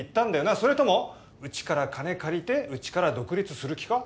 それともうちから金借りてうちから独立する気か？